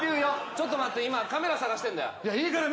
ちょっと待って、今、カメラ探してんから。